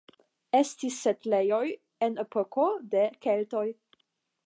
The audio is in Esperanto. Estis setlejoj en epoko de keltoj.